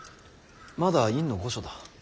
まだ院御所だ。